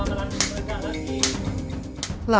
apa yang diperhatikan adalah